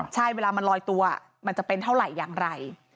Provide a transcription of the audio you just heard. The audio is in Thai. ใช่เวลามันลอยตัวมันจะเป็นเท่าไหร่อย่างไร